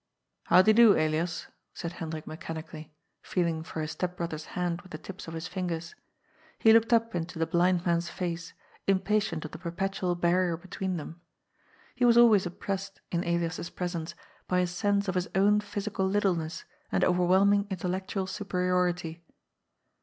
" How de do, Elias ?" said Hendrik mechanically, feeling for his step brother's hand with the tips of his fingers. He looked up into the blind man's face, impatient of the per petual barrier between them. He was always oppressed in Elias's presence by a sense of his own physical littleness and overwhelming intellectual superiority.